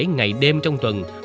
ngày đêm trong tuần